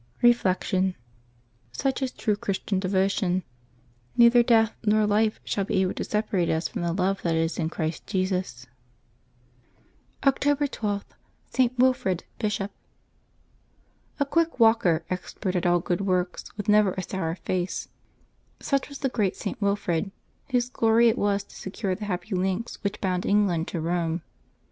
Reflection. — Such is true Christian devotion. " Neither death nor life shall be able to separate us from the love that is in Christ Jesus.'' October 13] LIVES OF THE SAINTS 335 October 12.— ST. WILFRID, Bishop. JIII quick: walker, expert at all good works, with never a 5—1 sour face ''— such was the great St. Wilfrid, whose glory it was to secure the happy links which bound Eng land to Eome.